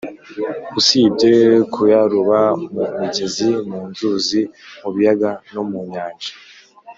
usibye kuyaroba mu migezi, mu nzuzi, mu biyaga no mu nyanja,